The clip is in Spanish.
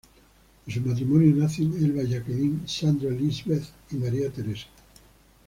De su matrimonio nacen Elba Jacqueline, Sandra Lisbeth y María Teresa.